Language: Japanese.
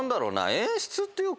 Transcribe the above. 演出っていうか。